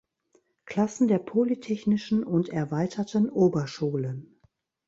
Klassen der Polytechnischen und Erweiterten Oberschulen.